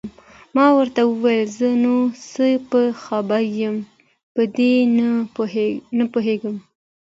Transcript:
ما ورته وویل: زه نو څه په خبر یم، په دې نه پوهېږم.